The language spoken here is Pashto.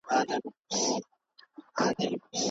د سيد قطب په اړه مي کتابونه ولوستل.